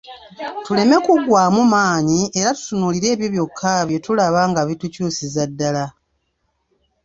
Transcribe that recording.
Tuleme kuggwaamu maanyi era tutunuulire ebyo byokka bye tulaba nga bitukyusiza ddala.